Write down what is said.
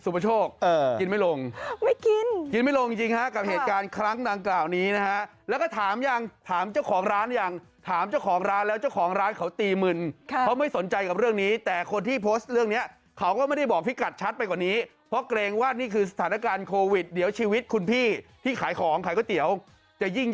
เพราะฉะนั้นเห็นอย่างนี้กิน